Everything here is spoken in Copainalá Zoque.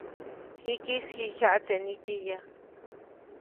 Jikis jiʼ jyaʼtse nitiyä.